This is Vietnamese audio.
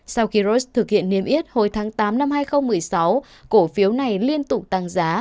sau khi rost thực hiện niêm yết hồi tháng tám năm hai nghìn một mươi sáu cổ phiếu này liên tục tăng giá